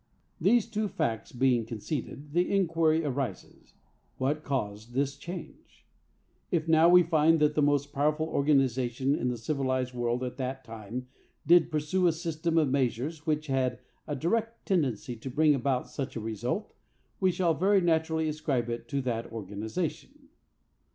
These two facts being conceded, the inquiry arises, What caused this change? If, now, we find that the most powerful organization in the civilized world at that time did pursue a system of measures which had a direct tendency to bring about such a result, we shall very naturally ascribe it to that organization.